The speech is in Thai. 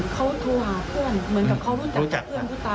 เขาโทรหาเพื่อนเหมือนกับเขารู้จักกับเพื่อนผู้ตาย